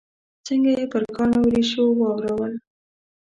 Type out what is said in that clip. څنګه یې پر کاڼو ریشو واورول.